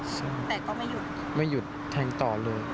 ใช่แต่ก็ไม่หยุดไม่หยุดแทงต่อเลย